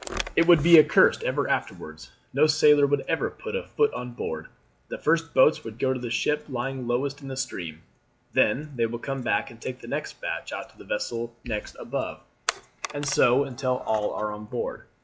It would be accursed ever afterwards, no sailor would ever put a foot on board. The first boats will go to the ship lying lowest in the stream; then they will come back and take the next batch out to the vessel next above; and so until all are on board.